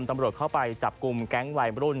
ตำรวจเข้าไปจับกลุ่มแก๊งวัยรุ่น